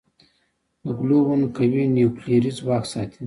د ګلوون قوي نیوکلیري ځواک ساتي.